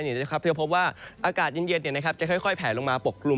จะพบว่าอากาศเย็นจะค่อยแผลลงมาปกกลุ่ม